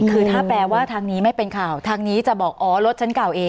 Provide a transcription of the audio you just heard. คือถ้าแปลว่าทางนี้ไม่เป็นข่าวทางนี้จะบอกอ๋อรถฉันเก่าเอง